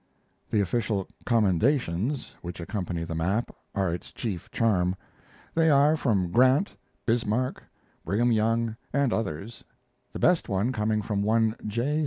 The "Official Commendations," which accompany the map, are its chief charm. They are from Grant, Bismarck, Brigham Young, and others, the best one coming from one J.